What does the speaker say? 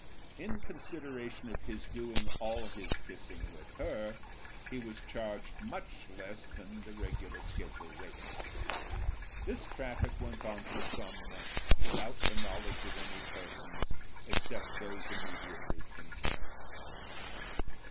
In consideration of his doing all his kissing with her, he was charged much less than the regular schedule rates. This traffic went on for some months without the knowledge of any persons except those immediately concerned.